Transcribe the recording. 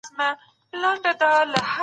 په افغانستان کي پېښې ډېرې په چټکۍ سره بدلیږي.